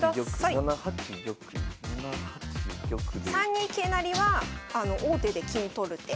３二桂成は王手で金取る手。